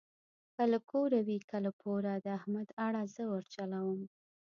که له کوره وي که له پوره د احمد اړه زه ورچلوم.